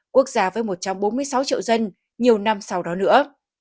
quốc gia với một trăm bốn mươi sáu triệu dân nhiều năm sau đó nữa